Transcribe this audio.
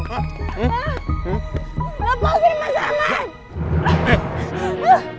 lepaskan mas ahmad